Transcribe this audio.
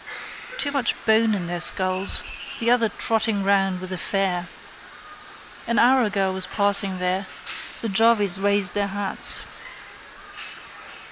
Too much bone in their skulls. The other trotting round with a fare. An hour ago I was passing there. The jarvies raised their hats.